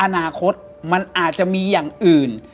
อนาคตมันอาจจะมีอย่างอื่น